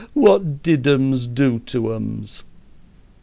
What did ums do to ums?"